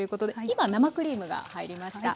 今生クリームが入りました。